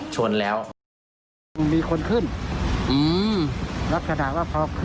ชนแล้ว